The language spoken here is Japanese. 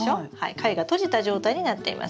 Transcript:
貝が閉じた状態になっています。